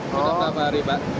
sudah berapa hari pak